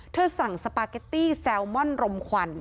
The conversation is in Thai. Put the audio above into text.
สั่งสปาเกตตี้แซลมอนรมควัน